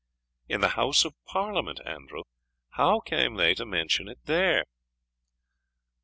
"In the House of Parliament, Andrew! how came they to mention it there?"